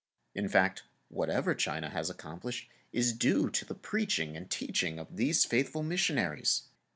In fact, whatever China has accomplished is due to the preaching and teaching of these faithful missionaries.